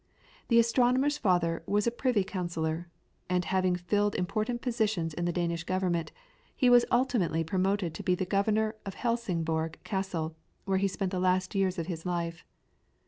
The astronomer's father was a privy councillor, and having filled important positions in the Danish government, he was ultimately promoted to be governor of Helsingborg Castle, where he spent the last years of his life.